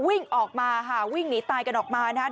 วิ่งออกมาค่ะวิ่งหนีตายกันออกมานะครับ